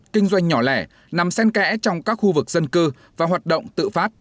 kinh doanh nhỏ lẻ nằm sen kẽ trong các khu vực dân cư và hoạt động tự phát